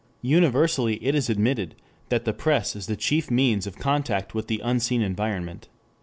Universally it is admitted that the press is the chief means of contact with the unseen environment.